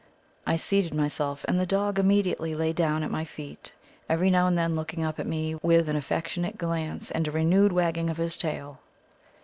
I seated myself, and the dog immediately lay down at my feet, every now and then looking up at me with an affectionate glance and a renewed wagging of his tail.